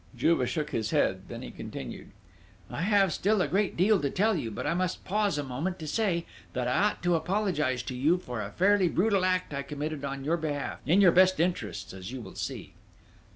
Juve shook his head; then he continued: "I have still a great deal to tell you, but I must pause a moment to say, that I ought to apologise to you for a fairly brutal act I committed on your behalf in your best interests, as you will see...."